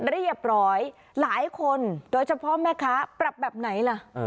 เรียบร้อยหลายคนโดยเฉพาะแม่ค้าปรับแบบไหนล่ะ